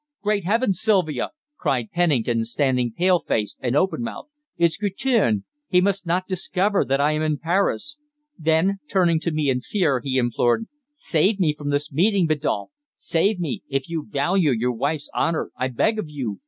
"Great Heavens, Sylvia!" cried Pennington, standing pale faced and open mouthed. "It's Guertin! He must not discover that I am in Paris!" Then, turning to me in fear, he implored: "Save me from this meeting, Biddulph! Save me if you value your wife's honour, I beg of you.